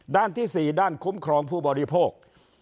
ด้านที่๔ด้านคุ้มครองผู้บริโภค